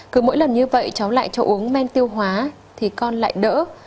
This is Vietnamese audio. cứ mỗi lần như vậy cháu lại cho uống men tiêu hóa thì con lại đỡ